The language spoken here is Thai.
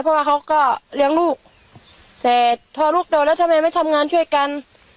เพราะว่าเขาก็เลี้ยงลูกแต่พอลูกโดนแล้วทำไมไม่ทำงานช่วยกัน